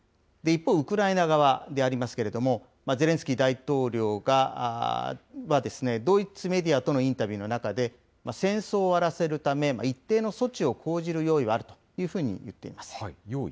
一方、ウクライナ側でありますけれども、ゼレンスキー大統領は、ドイツメディアとのインタビューの中で、戦争を終わらせるため、一定の措置を講じる用意はあるというふうに言っています。